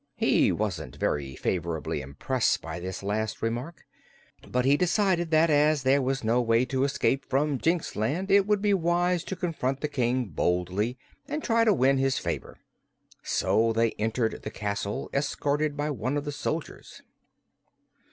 He wasn't very favorably impressed by this last remark. But he decided that as there was no way of escape from Jinxland it would be wise to confront the King boldly and try to win his favor. So they entered the castle, escorted by one of the soldiers.